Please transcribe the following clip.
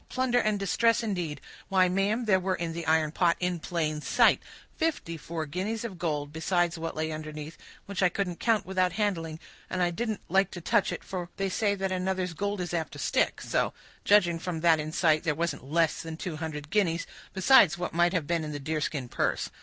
Plunder and distress, indeed! Why, ma'am, there were in the iron pot, in plain sight, fifty four guineas of gold, besides what lay underneath, which I couldn't count without handling; and I didn't like to touch it, for they say that another's gold is apt to stick—so, judging from that in sight, there wasn't less than two hundred guineas, besides what might have been in the deerskin purse.